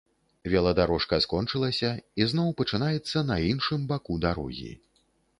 Веладарожка скончылася і зноў пачынаецца на іншым баку дарогі.